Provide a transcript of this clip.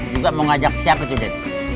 juga mau ngajak siapa tuh demi